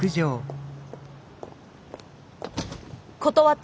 断ったの？